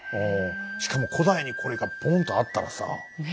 しかも古代にこれがボーンとあったらさ。